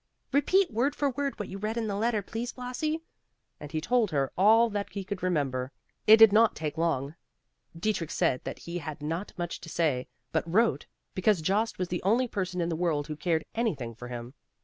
"Repeat word for word what you read in the letter, please, Blasi," and he told her all that he could remember. It did not take long. Dietrich said that he had not much to say, but wrote because Jost was the only person in the world who cared anything for him.